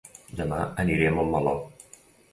Dema aniré a Montmeló